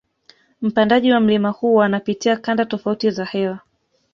Mpandaji wa mlima huu anapitia kanda tofati za hewa